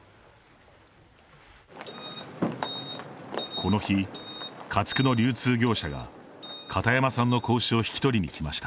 この日、家畜の流通業者が片山さんの子牛を引き取りに来ました。